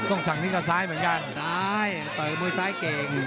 กล้องสักนี่ก็ซ้ายเหมือนกันซ้ายต่อยกับมวยซ้ายเก่ง